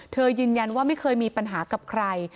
ยืนยันว่าไม่เคยมีปัญหากับใคร